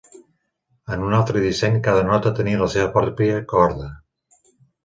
En un altre disseny cada nota tenia la seva pròpia corda.